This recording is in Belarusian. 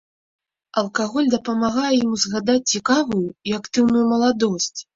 Алкаголь дапамагае ім узгадаць цікавую і актыўную маладосць.